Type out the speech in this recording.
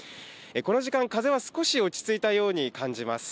この時間、風は少し落ち着いたように感じます。